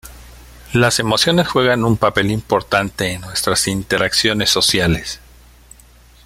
Las emociones juegan un papel importante en nuestras interacciones sociales.